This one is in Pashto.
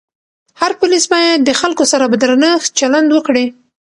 هر پولیس باید د خلکو سره په درنښت چلند وکړي.